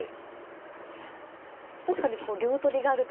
確かに両取りがあるとか。